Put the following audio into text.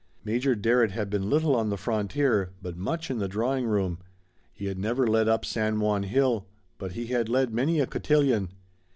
Major Darrett had been little on the frontier, but much in the drawing room; he had never led up San Juan hill, but he had led many a cotillion.